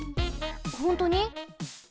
ほんとに？